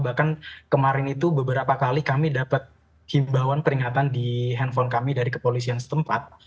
bahkan kemarin itu beberapa kali kami dapat himbauan peringatan di handphone kami dari kepolisian setempat